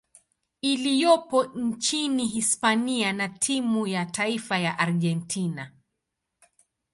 iliyopo nchini Hispania na timu ya taifa ya Argentina.